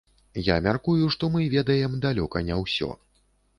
Я мяркую, што мы ведаем далёка не ўсё.